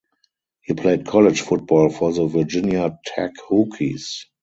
He played college football for the Virginia Tech Hokies.